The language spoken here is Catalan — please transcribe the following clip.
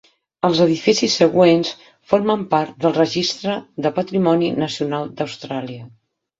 Els edificis següents formen part del registre de patrimoni nacional d'Austràlia.